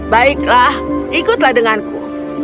baiklah ikutlah denganku